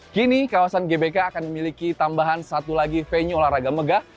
kini kawasan gbk akan memiliki tambahan satu lagi venue olahraga megah